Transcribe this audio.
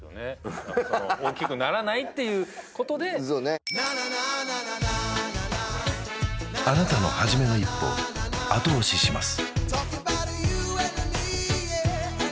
ハハハハそうね大きくならないっていうことであなたのはじめの一歩後押しします